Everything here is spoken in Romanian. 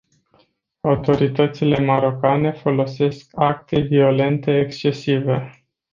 Autoritățile marocane folosesc acte violente excesive.